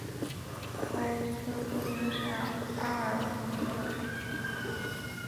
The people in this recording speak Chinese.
故爱丽丝不应是阿尔伯特的孩子。